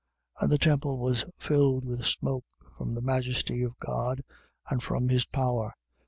15:8. And the temple was filled with smoke from the majesty of God and from his power.